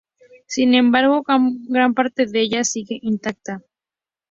Sin embargo, gran parte de ella sigue intacta.